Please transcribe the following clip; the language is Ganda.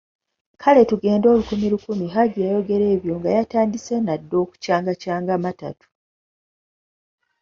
Kale tugende olukumilukumi, Haji yayogera ebyo nga yatandise na dda n'okucangacanga amatatu.